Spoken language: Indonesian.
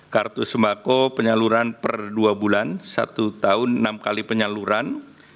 kartu sembako penyaluran per dua bulan satu tahun enam kali penyaluran